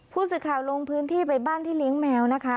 ผู้ศึกหาลงพื้นที่ไปบ้านที่หลิงแมวนะคะ